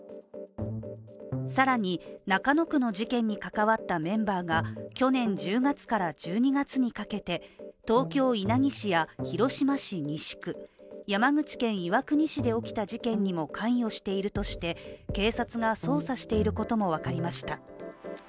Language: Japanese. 更に、中野区の事件に関わったメンバーが去年１０月から１２月にかけて東京・稲城市や、広島市西区、山口県岩国市で起きた事件にも関与しているとして、警察が捜査していることも分かりました。